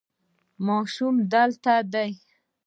ماشین دلته دی